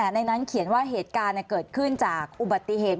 ในนั้นเขียนว่าเหตุการณ์เกิดขึ้นจากอุบัติเหตุ